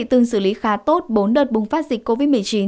từng xử lý khá tốt bốn đợt bùng phát dịch covid một mươi chín